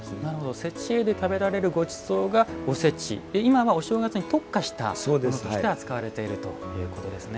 節会で食べられるごちそうがおせち、今はお正月に特化したものとして扱われているということですね。